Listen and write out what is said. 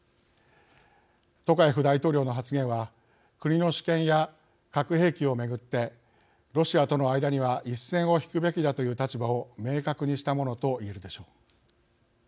トカエフ大統領の発言は国の主権や核兵器を巡ってロシアとの間には一線を引くべきだという立場を明確にしたものと言えるでしょう。